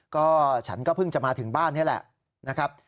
ก็ฉันก็เพิ่งจะมาถึงบ้านนี่แหละนะครับ